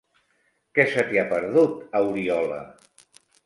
Què se t'hi ha perdut, a Oriola?